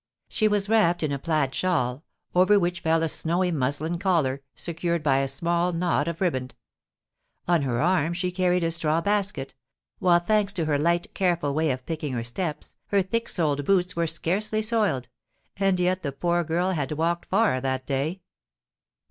She was wrapped in a plaid shawl, over which fell a snowy muslin collar, secured by a small knot of riband. On her arm she carried a straw basket; while, thanks to her light, careful way of picking her steps, her thick soled boots were scarcely soiled; and yet the poor girl had walked far that day.